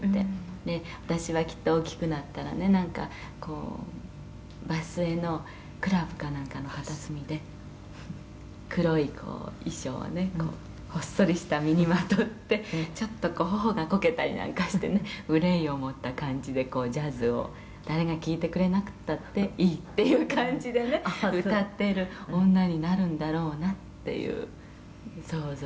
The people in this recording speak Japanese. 「で私はきっと大きくなったらねなんかこう場末のクラブかなんかの片隅で黒い衣装をねほっそりした身にまとってちょっとこう頬がこけたりなんかしてね憂いを持った感じでこうジャズを誰が聴いてくれなくたっていいっていう感じでね歌ってる女になるんだろうなっていう想像をしてたんです」